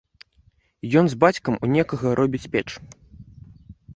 Ён з бацькам у некага робіць печ.